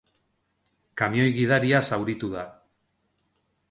Kamioi gidaria zauritu da.